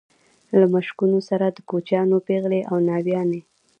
له مشکونو سره د کوچیانو پېغلې او ناويانې.